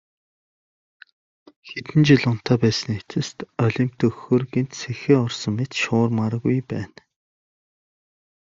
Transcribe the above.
Хэдэн жил унтаа байсны эцэст олимп дөхөхөөр гэнэт сэхээ орсон мэт шуурмааргүй байна.